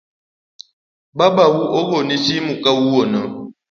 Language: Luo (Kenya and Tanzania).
Babau ogoni simu kawuono?